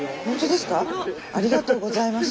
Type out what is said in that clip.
ありがとうございます。